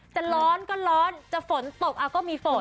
จะร้อนก็ร้อนจะฝนตกก็มีฝน